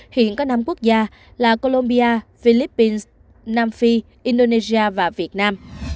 hiện có năm quốc gia là colombia philippines nam phi indonesia và việt nam